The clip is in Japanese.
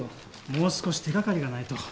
もう少し手掛かりがないと。